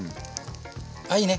あいいね。